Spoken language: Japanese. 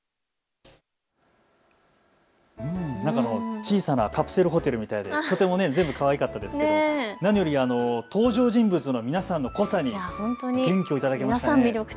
小さなカプセルホテルみたいでとてもかわいかったですけど、何より登場人物の皆さんの個性に元気を頂きました。